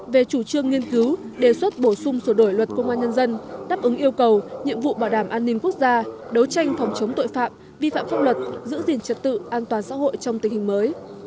về chủ trương nghiên cứu đề xuất bổ sung sửa đổi luật công an nhân dân đáp ứng yêu cầu nhiệm vụ bảo đảm an ninh quốc gia đấu tranh phòng chống tội phạm vi phạm pháp luật giữ gìn trật tự an toàn xã hội trong tình hình mới